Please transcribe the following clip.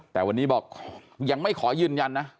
แต่วันนี้บอกยังไม่ขอยืนยันนะ